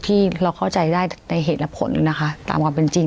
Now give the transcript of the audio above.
ที่เราเข้าใจได้ในเหตุและผลนะคะตามความเป็นจริง